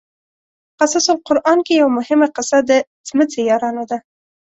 قصص القران کې یوه مهمه قصه د څمڅې یارانو ده.